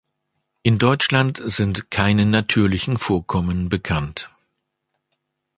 In Deutschland sind keine natürlichen Vorkommen bekannt.